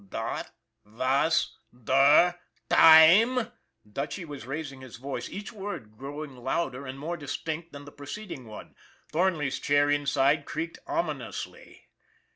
"" Dot vas der time " Dutchy was raising his voice, each word growing louder and more distinct than the preceding one. Thornley's chair inside creaked ominously.